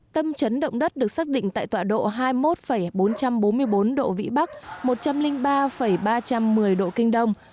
tâm trấn động đất được xác định tại tọa độ hai mươi một bốn trăm bốn mươi bốn độ vĩ bắc một trăm linh ba ba trăm một mươi độ kinh đông